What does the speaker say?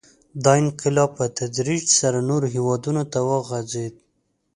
• دا انقلاب په تدریج سره نورو هېوادونو ته وغځېد.